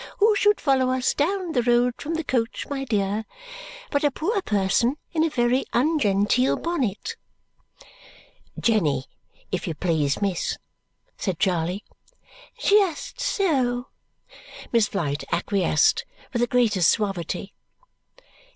Who should follow us down the road from the coach, my dear, but a poor person in a very ungenteel bonnet " "Jenny, if you please, miss," said Charley. "Just so!" Miss Flite acquiesced with the greatest suavity.